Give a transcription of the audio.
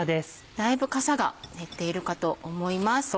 だいぶかさが減っているかと思います。